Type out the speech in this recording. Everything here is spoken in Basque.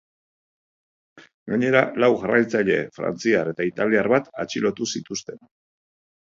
Gainera, lau jarraitzaile frantziar eta italiar bat atxilotu zituzten.